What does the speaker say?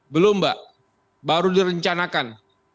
belum mbak baru direncanakan